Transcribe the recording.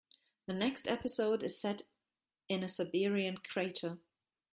The next episode is set in a Siberian crater.